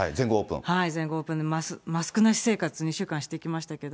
全豪オープンで、マスクなし生活２週間してきましたけど。